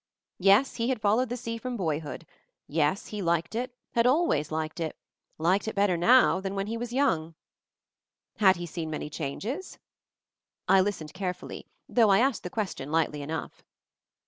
Yes he had f ollewed the sea from boyhood. Yes, he liked it, always had liked it, liked it better now than when he was young. He had seen many changes? I listened carefully, though I asked the question lightly enough.